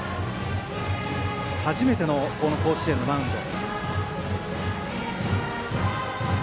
初めての甲子園のマウンド。